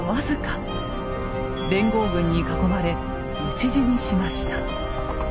連合軍に囲まれ討ち死にしました。